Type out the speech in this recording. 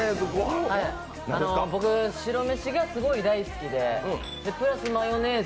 僕、白飯がすごい大好きでプラスマヨネーズ。